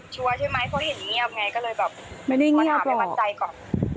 ชัวร์ใช่ไหมเค้าเห็นเงียบไงก็เลยแบบไม่ได้เงียบหรอกมาถามให้มั่นใจก่อน